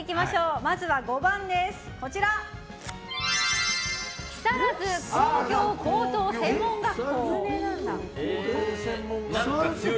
まずは５番木更津工業高等専門学校。